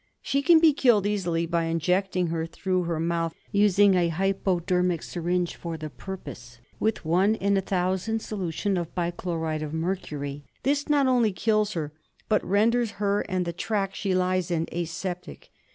She can be killed easily by injecting her through her mouth, using a hypodermic syringe for the purpose, with one in a thousand solution of bichloride of mercury. This not only kills her, but renders her and the track she lies in aseptic.